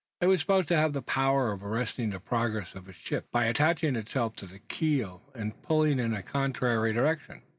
It was supposed to have the power of arresting the progress of a ship, by attaching itself to the keel and pulling in a contrary direction!